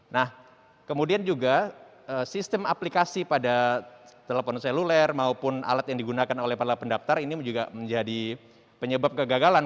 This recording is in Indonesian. nah kemudian juga sistem aplikasi pada telepon seluler maupun alat yang digunakan oleh para pendaftar ini juga menjadi penyebab kegagalan